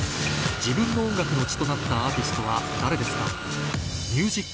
自分の音楽の血となったアーティストは誰ですか？